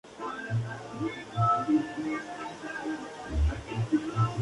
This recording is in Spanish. Muy conveniente para la auto administración.